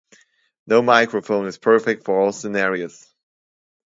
No microphone is perfect for all scenarios.